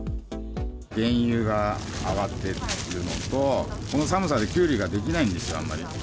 原油が上がってるっていうのと、この寒さでキュウリができないんですよ、あんまり。